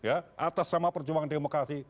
atas sama perjuangan demokrasi